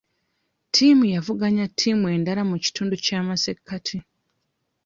Ttiimu yavuganya ttiimu endala mu kitundu ky'amasekkati.